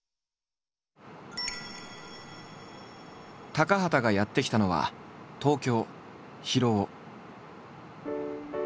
高畑がやって来たのは東京広尾。